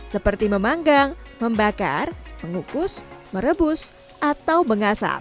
seperti memanggang membakar mengukus merebus atau mengasap